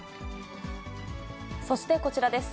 そしてこちらです。